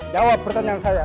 jawab pertanyaan saya